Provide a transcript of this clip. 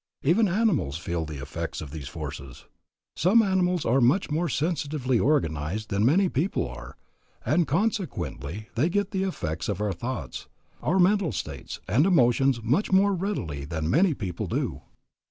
Even animals feel the effects of these forces. Some animals are much more sensitively organized than many people are, and consequently they get the effects of our thoughts, our mental states, and emotions much more readily than many people do.